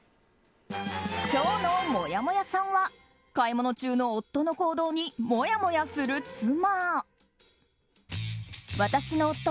今日のもやもやさんは買い物中の夫の行動にもやもやする妻。